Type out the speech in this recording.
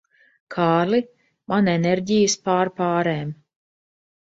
Kārli, man enerģijas pārpārēm.